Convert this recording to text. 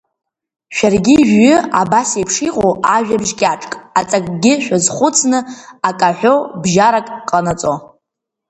Шәаргьы ижәҩы абас еиԥш иҟоу ажәабжь кьаҿк, аҵакгьы шәазхәыцны, ак аҳәо, бжьарак ҟа наҵо.